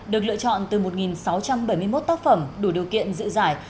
được lựa chọn từ một sáu trăm bảy mươi một tác phẩm đủ điều kiện dự giải